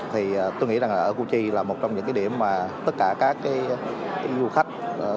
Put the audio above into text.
thì tôi nghĩ rằng là ở củ chi là một trong những cái điểm mà tất cả các du khách